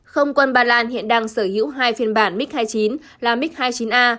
không quân ba lan hiện đang sở hữu hai phiên bản mig hai mươi chín là mig hai mươi chín a